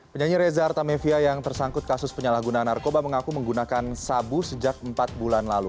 penyanyi reza artamevia yang tersangkut kasus penyalahgunaan narkoba mengaku menggunakan sabu sejak empat bulan lalu